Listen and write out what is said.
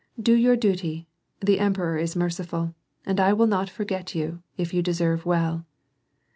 Do your duty. The emperor is merciful. And I will not forget you, if you deserve well."